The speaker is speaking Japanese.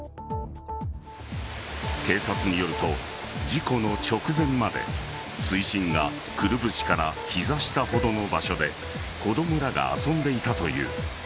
警察によると事故の直前まで水深がくるぶしから膝下ほどの場所で子供らが遊んでいたという。